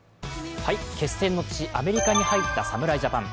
決戦の地、アメリカに入った侍ジャパン。